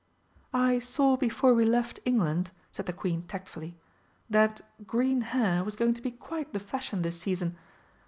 "I saw before we left England," said the Queen tactfully, "that green hair was going to be quite the fashion this season.